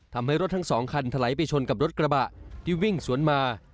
ทำให้รถทั้งสองคันถลายไปชนกับรถกระบะที่วิ่งสวนมา